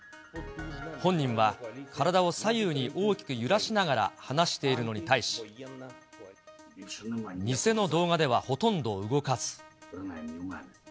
本人は体を左右に大きく揺らしながら話しているのに対し、偽の動画ではほとんど動かず。